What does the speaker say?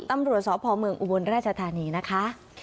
ตำรวจสพเมืองอุบลราชธานีนะคะ